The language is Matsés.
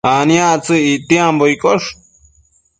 aniactsëc ictiambo iccosh